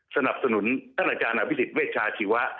สนับสนุนท่านอาจารย์อภิษฎเวชาชีวะ